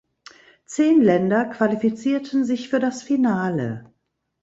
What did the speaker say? Zehn Länder qualifizierten sich für das Finale.